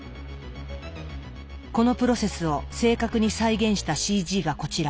このプロセスを正確に再現したＣＧがこちら。